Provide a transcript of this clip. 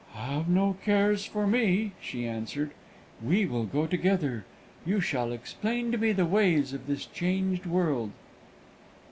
"Have no cares for me," she answered; "we will go together. You shall explain to me the ways of this changed world."